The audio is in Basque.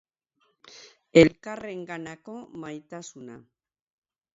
Elkarrenganako maitasuna.